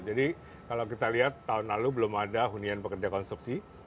jadi kalau kita lihat tahun lalu belum ada hunian pekerja konstruksi